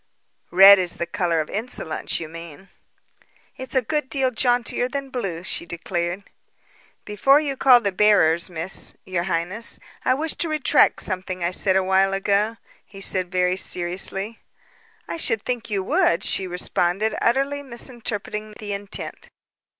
"Red is the color of insolence, you mean." "It's a good deal jauntier than blue," she declared. "Before you call the bearers, Miss your highness, I wish to retract something I said awhile ago," he said very seriously. "I should think you would," she responded, utterly misinterpreting his intent.